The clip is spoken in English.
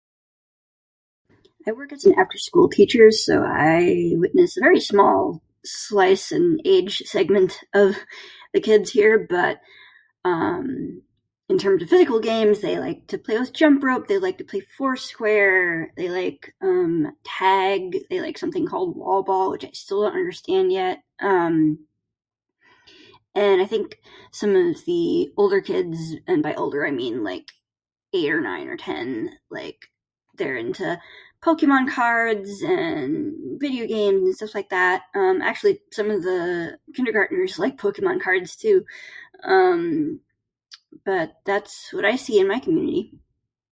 "I work as an afterschool teacher so I witness a very small slice and age segment of the kids here. But, um, in terms of physical games they like to play with jumprope, they like to play four square, they like, um, tag, they like something called ""wall ball"" which I still don't understand yet. Um. And I think some of the older kids, and by older I mean like eight or nine or ten, like, they're into Pokemon cards and video games and stuff like that. Um, actually, some of the kindergarteners like Pokemon cards, too. Um, but that's what I see in my community."